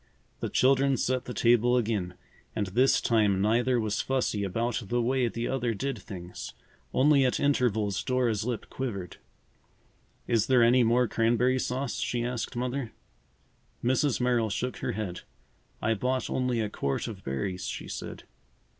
The children set the table again and this time neither was fussy about the way the other did things. Only at intervals Dora's lip quivered. "Is there any more cranberry sauce?" she asked Mother. Mrs. Merrill shook her head. "I bought only a quart of berries," she said.